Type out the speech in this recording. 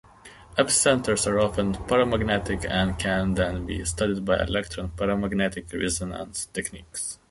F-centers are often paramagnetic and can then be studied by electron paramagnetic resonance techniques.